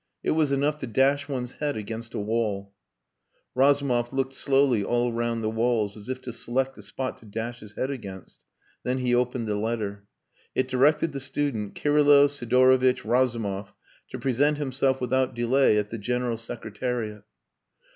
It was enough to dash one's head against a wall. Razumov looked slowly all round the walls as if to select a spot to dash his head against. Then he opened the letter. It directed the student Kirylo Sidorovitch Razumov to present himself without delay at the General Secretariat.